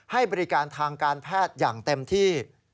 ให้บริการทางการแพทย์อย่างเต็มที่